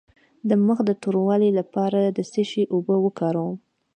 د مخ د توروالي لپاره د څه شي اوبه وکاروم؟